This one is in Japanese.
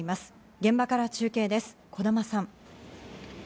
現場から中継です、児玉さん。